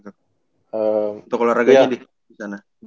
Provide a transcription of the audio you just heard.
untuk olahraganya di sana